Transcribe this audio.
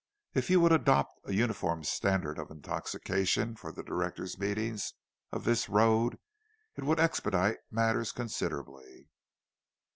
If you would adopt a uniform standard of intoxication for the directors' meetings of this road, it would expedite matters considerably.